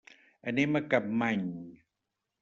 Anem a Capmany.